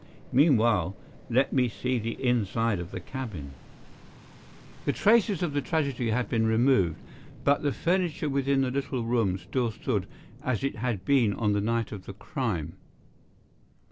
Meanwhile, let me see the inside of the cabin." The traces of the tragedy had been removed, but the furniture within the little room still stood as it had been on the night of the crime.